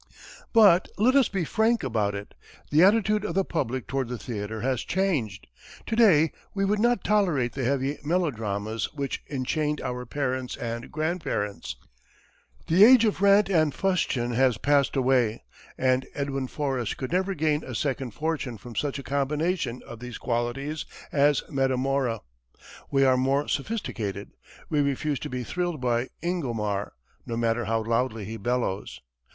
But let us be frank about it. The attitude of the public toward the theatre has changed. To day we would not tolerate the heavy melodramas which enchained our parents and grandparents. The age of rant and fustian has passed away, and Edwin Forrest could never gain a second fortune from such a combination of these qualities as "Metamora." We are more sophisticated; we refuse to be thrilled by Ingomar, no matter how loudly he bellows.